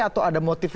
atau ada motif